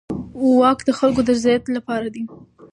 واک د خلکو د رضایت لپاره دی.